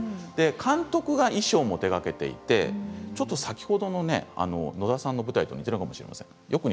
監督が衣装も手がけていて先ほどの野田さんの舞台と似ているかもしれません。